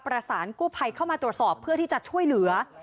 ประสานกู้ภัยเข้ามาตรวจสอบเพื่อที่จะช่วยเหลือ